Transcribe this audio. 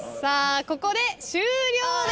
ここで終了です！